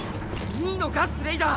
いいのかスレイダー⁉